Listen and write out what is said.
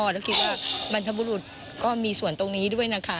แล้วคิดว่าบรรพบุรุษก็มีส่วนตรงนี้ด้วยนะคะ